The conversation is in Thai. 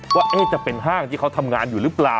ว่าจะเป็นห้างที่เขาทำงานอยู่หรือเปล่า